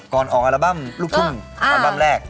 ก่อนออกอัลบั้มลูกทุ่งอัลบั้มแรก